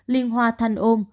liên hòa thanh ôn